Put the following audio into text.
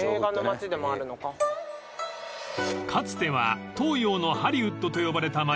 ［かつては東洋のハリウッドと呼ばれた街